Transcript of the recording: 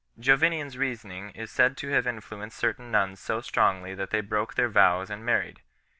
Jovinian s reasoning is riaid to have influenced certain nuns so strongly that they broke their vows and married.